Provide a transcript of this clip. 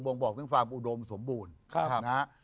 บ่องบอกขึ้นฟางอุโดมสมบูรณ์